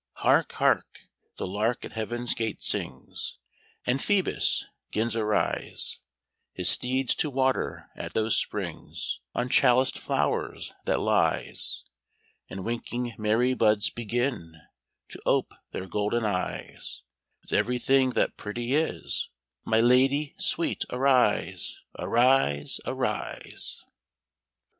"Hark, hark! the lark at heaven's gate sings, And Phœbus 'gins arise, His steeds to water at those springs On chaliced flowers that lies; And winking Mary buds begin To ope their golden eyes; With every thing that pretty is, My lady sweet, arise; Arise, arise!"